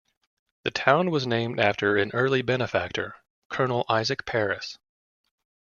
The town was named after an early benefactor, Colonel Isaac Paris.